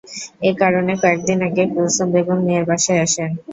এ কারণে কয়েক দিন আগে কুলসুম বেগম মেয়ের বাসায় আসেন।